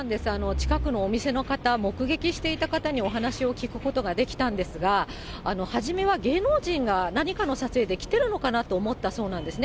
近くのお店の方、目撃していた方にお話を聞くことができたんですが、初めは芸能人が何かの撮影で来てるのかなと思ったそうなんですね。